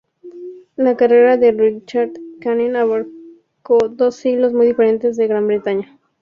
La carrera de Richard Kane abarcó dos siglos muy diferentes en Gran Bretaña.